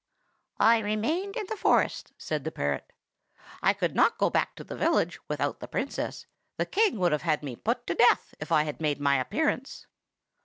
"I remained in the forest," said the parrot. "I could not go back to the village without the Princess; the King would have put me to death if I had made my appearance.